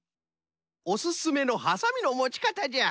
おすすめのはさみのもち方じゃ。